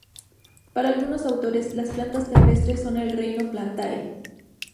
Para algunos autores, las plantas terrestres son el reino Plantae.